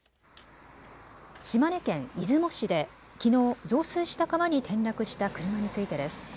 島根県出雲市できのう増水した川に転落した車についてです。